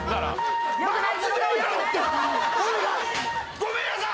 ごめんなさい。